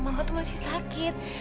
mama tuh masih sakit